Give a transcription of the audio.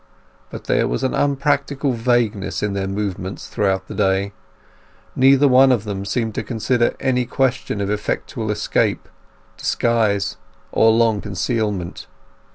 But there was an unpractical vagueness in their movements throughout the day; neither one of them seemed to consider any question of effectual escape, disguise, or long concealment.